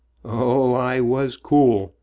Oh, I was cool !